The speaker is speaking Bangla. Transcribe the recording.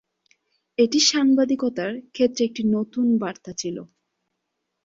এটি সাংবাদিকতার ক্ষেত্রে একটি নতুন বার্তা ছিল।